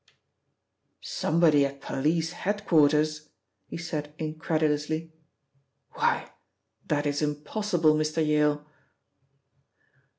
"Somebody at police head quarters," he said incredulously. "Why, that is impossible, Mr. Yale."